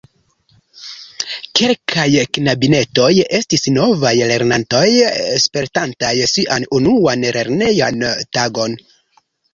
Kelkaj knabinetoj estis novaj lernantoj, spertantaj sian unuan lernejan tagon.